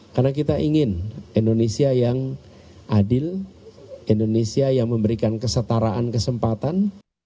karena kita ingin indonesia yang adil indonesia yang memberikan kesetaraan kesempatan